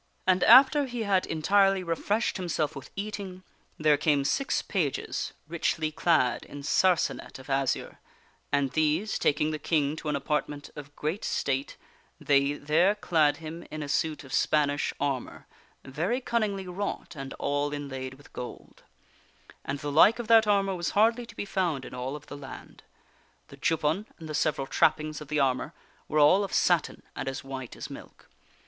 And after he had entirely refreshed himself with eating, there came six pages richly clad in sarsanet of azure, and these, taking the King to an apartment of great state, they there clad him in a suit of Spanish armor, King Arthur is verv cunningly wrought and all inlaid with gold. And the armed by Ralph like of that armor was hardly to be found in all of the land. The juppon and the several trappings of the armor were all of satin and as white as milk.